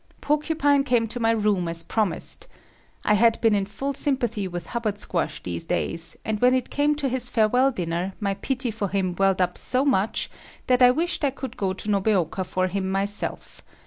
Porcupine came to my room as promised. I had been in full sympathy with Hubbard Squash these days, and when it came to his farewell dinner, my pity for him welled up so much that I wished I could go to Nobeoka for him myself.